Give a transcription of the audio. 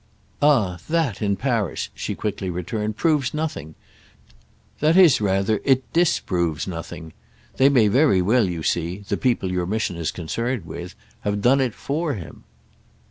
"Ah that, in Paris," she quickly returned, "proves nothing. That is rather it _dis_proves nothing. They may very well, you see, the people your mission is concerned with, have done it for him."